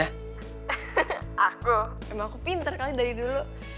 hah aku emang aku pinter kali dari dulu